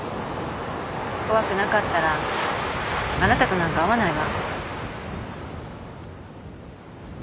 怖くなかったらあなたとなんか会わないわ。